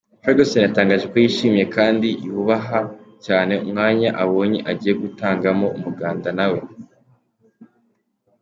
Ferguson yatangaje ko yishmiye kandi yubaha cyane umwanya abonye agiye gutangamo umuganda nawe.